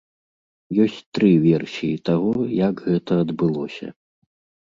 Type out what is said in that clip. Ёсць тры версіі таго, як гэта адбылося.